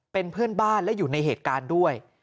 เป็นเพื่อนบ้านและอยู่ในเหตุการณ์ด้วย